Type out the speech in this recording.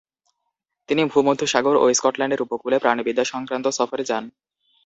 তিনি ভূমধ্যসাগর এবং স্কটল্যান্ডের উপকূলে প্রাণিবিদ্যা সংক্রান্ত সফরে যান।